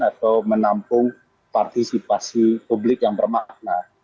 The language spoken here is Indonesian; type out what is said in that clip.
atau menampung partisipasi publik yang bermakna